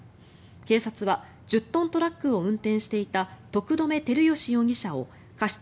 警察は１０トントラックを運転していた徳留輝禎容疑者を過失